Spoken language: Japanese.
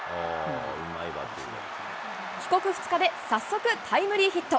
帰国２日で早速、タイムリーヒット。